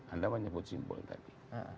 anda menyebut simbol tadi